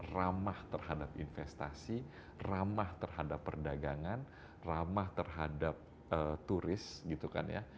ramah terhadap investasi ramah terhadap perdagangan ramah terhadap turis gitu kan ya